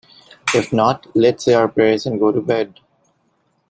If not, let's say our prayers and go to bed.